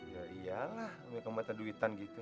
ya iyalah punya kembata duitan gitu